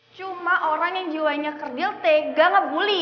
cuma orang yang jiwanya kerdil tega ngebully